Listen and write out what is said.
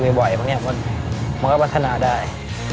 ผมว่ามันก็ปรัฐนาได้